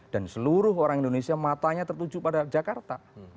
dan seluruh orang indonesia matanya tertuju pada jakarta